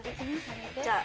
じゃあ。